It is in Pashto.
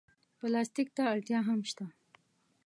پلاستيک ته اړتیا هم شته.